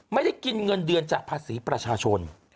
ไม่ได้กินเงินเดือนจากภาษีประชาชน